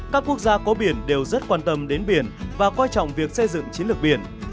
các quốc gia có biển đều rất quan tâm đến biển và quan trọng việc xây dựng chiến lược biển